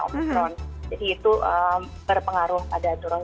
jadi itu berpengaruh pada turun